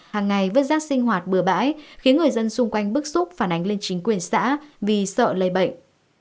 hàng ngày vứt rác sinh hoạt bừa bãi khiến người dân xung quanh bức xúc phản ánh lên chính quyền xã vì sợ lây bệnh